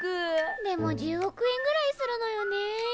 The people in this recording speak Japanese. でも１０億円ぐらいするのよね。